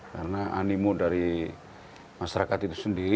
karena animu dari masyarakat itu sendiri